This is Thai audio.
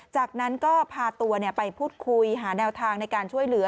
จากนั้นก็พาตัวไปพูดคุยหาแนวทางในการช่วยเหลือ